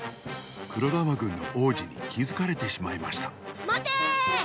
黒玉軍の王子にきづかれてしまいましたまてーー！